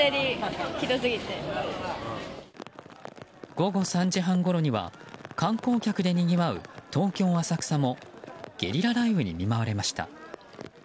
午後３時半ごろには観光客でにぎわう東京・浅草もゲリラ雷雨に見舞われました。